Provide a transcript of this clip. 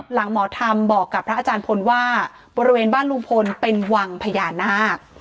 หมอธรรมบอกกับพระอาจารย์พลว่าบริเวณบ้านลุงพลเป็นวังพญานาค